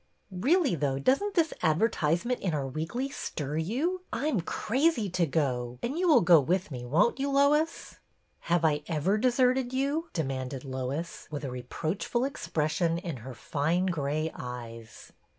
Really, though, does n't this advertisement in our weekly stir you ? I'm crazy to go, and you will go with me, won't you, Lois ?" Have I ever deserted you? " demanded Lois, with a reproachful expression in her fine gray eyes.